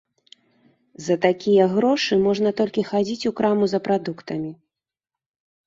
За такія грошы можна толькі хадзіць у краму за прадуктамі.